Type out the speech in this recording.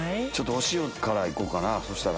お塩からいこうかなそしたら。